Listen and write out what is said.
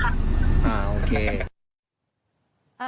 จริงค่ะ